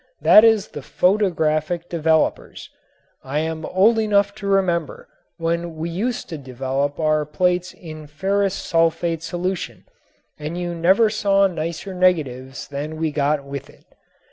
That is the photographic developers. I am old enough to remember when we used to develop our plates in ferrous sulfate solution and you never saw nicer negatives than we got with it.